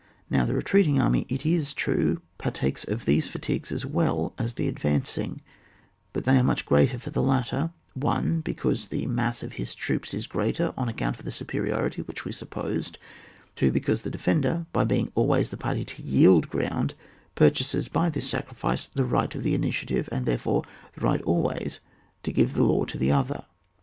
Now, the retreating army, it is true, partakes of these fatigues as well as the advancing, but they are much greater for the latter :— 1, because the mass of his troops is greater on accoimt of the superiority which we supposed, 2, because the defender, by being always the party to yield ground, pur chases by this sacrifice the right of the initiative, and, therefore, the right al ways to give the law to the other.